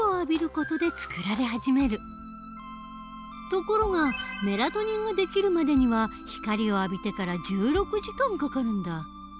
ところがメラトニンができるまでには光を浴びてから１６時間かかるんだ。